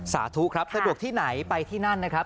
สาธุครับสะดวกที่ไหนไปที่นั่นนะครับ